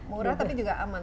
murah tapi juga aman